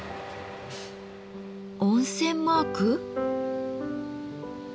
温泉マーク？